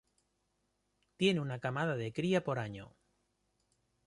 Tiene una camada de cría por año.